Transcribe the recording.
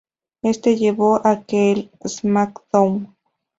Esto llevó a que el "SmackDown!